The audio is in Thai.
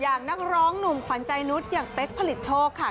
อย่างนักร้องหนุ่มขวัญใจนุษย์อย่างป๊าลิชโชคนะคะ